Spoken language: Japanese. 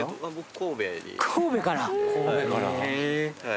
神戸から！